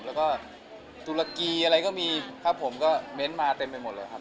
แล้วก็ตุรกีอะไรก็มีครับผมก็เม้นต์มาเต็มไปหมดเลยครับ